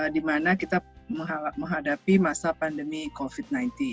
di mana kita menghadapi masa pandemi covid sembilan belas